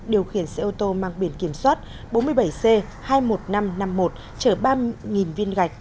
điều khiển xe ô tô mang biển kiểm soát bốn mươi bảy c hai mươi một nghìn năm trăm năm mươi một chở ba viên gạch